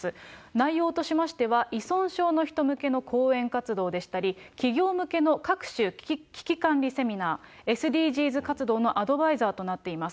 内容としましては、依存症の人向けの講演活動でしたり、企業向けの各種危機管理セミナー、ＳＤＧｓ活動のアドバイザーとなっています。